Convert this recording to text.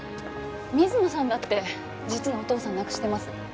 水野さんだって実のお父さんを亡くしてます。